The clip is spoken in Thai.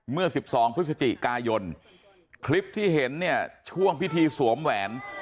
เมื่อ๑๒พฤศจิกายนคลิปที่เห็นเนี่ยช่วงพิธีสวมแหวน